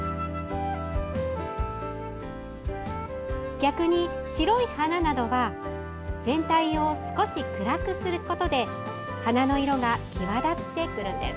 逆に白い花などは全体を少し暗くすることで花の色が際立ってくるんです。